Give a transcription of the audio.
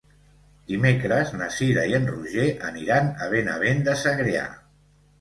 Dimecres na Cira i en Roger aniran a Benavent de Segrià.